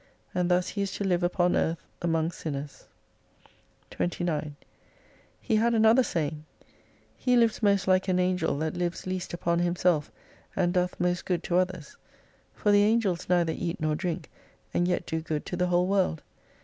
And thus he is to live upon Earth among sinners. 29 He had another saying— He lives most like an Angel that lives least upon himself, and doth most good to others. For the Angels neither eat nor drink, and yet do good to the whole world.